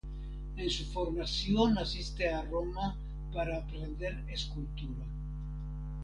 En su formación asiste a Roma para aprender escultura.